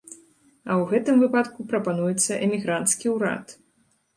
А ў гэтым выпадку прапануецца эмігранцкі ўрад.